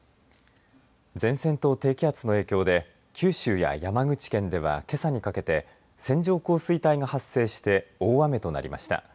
前線と低気圧の影響で九州や山口県では、けさにかけて線状降水帯が発生して大雨となりました。